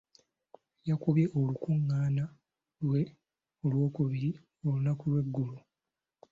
Yakubye olukung'aana lwe olw'okubiri olunaku lw'eggulo.